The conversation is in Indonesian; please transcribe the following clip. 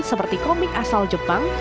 seperti komik asal jepang